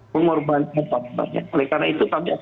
mengorbankan tanpa banyak